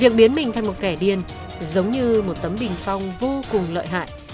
việc biến mình thành một kẻ điên giống như một tấm bình phong vô cùng lợi hại